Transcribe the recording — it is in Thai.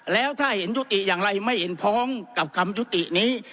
แล้วถ้าเห็นยุติอย่างไรไม่เห็นพ้องกับคำยุตินี้